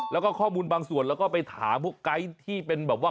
แล้วก็ข้อมูลบางส่วนแล้วก็ไปถามพวกไกด์ที่เป็นแบบว่า